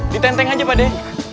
ditenteng aja pak de